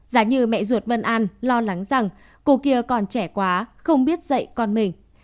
giá như mẹ ruột vân an lo lắng rằng cô kia còn trẻ quá không biết dạy con mình